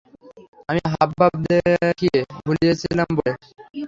আমি হাবভাব দেখিয়ে ভুলিয়েছিলাম বলে।